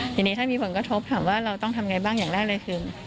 ทีนี้ถ้ามีผลกระทบถามว่าเราต้องทำไงบ้างอย่างแรกเลยคือ